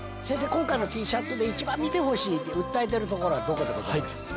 今回のＴシャツで一番見てほしいって訴えてるところはどこでございましょうか？